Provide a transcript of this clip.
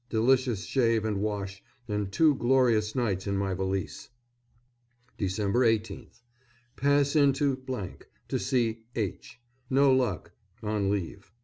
Delicious shave and wash, and two glorious nights in my valise. Dec. 18th. Pass into , to see H. No luck on leave.